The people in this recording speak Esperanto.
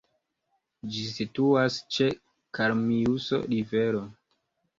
Ĝi situas ĉe Kalmiuso-rivero.